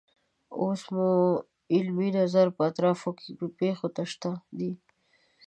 اوس مو علمي نظر په اطرافو کې پیښو ته شته دی.